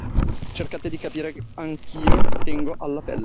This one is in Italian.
Cercate di capire che anch’io tengo alla pelle.